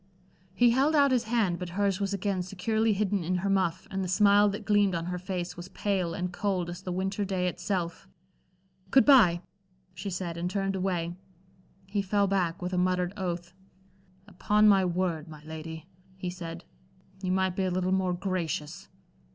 He held out his hand, but hers was again securely hidden in her muff, and the smile that gleamed on her face was pale and cold as the winter day itself. "Good bye," she said, and turned away. He fell back, with a muttered oath. "Upon my word, my lady," he said, "you might be a little more gracious."